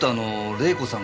玲子さん？